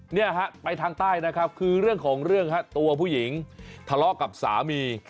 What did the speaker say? เนี่ยฮะไปทางใต้นะครับคือเรื่องของเรื่องฮะตัวผู้หญิงทะเลาะกับสามี